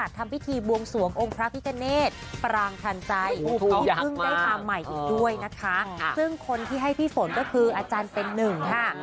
ซึ่งคนที่ให้พี่ฝนก็คืออาจารย์เป็นหนึ่งค่ะ